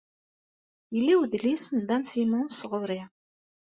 Yella wedlis n Dan Simmons ɣur-i.